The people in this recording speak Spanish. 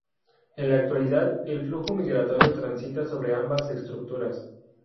En la actualidad, el flujo migratorio transita sobre ambas estructuras.